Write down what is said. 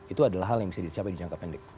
itu adalah hal yang bisa dicapai di jangka pendek